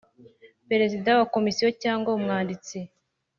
Perezida wa Komisiyo cyangwa umwanditsi